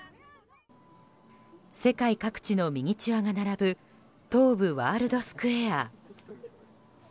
世界各地のミニチュアが並ぶ東武ワールドスクウェア。